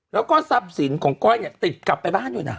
แล้วก็ทรัพย์สินของก้อยเนี่ยติดกลับไปบ้านอยู่นะ